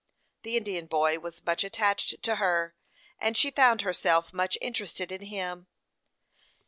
The Indian boy was much attached to her, and she found herself much interested in him.